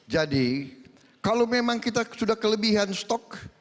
jadi kalau memang kita sudah kelebihan stok